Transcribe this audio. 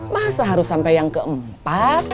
masa harus sampai yang keempat